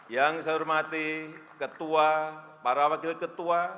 yang saya hormati ketua para wakil ketua